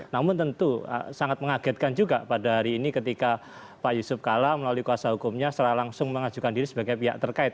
namun tentu sangat mengagetkan juga pada hari ini ketika pak yusuf kala melalui kuasa hukumnya secara langsung mengajukan diri sebagai pihak terkait